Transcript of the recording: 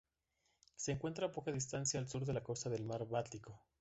Se encuentra a poca distancia al sur de la costa del mar Báltico.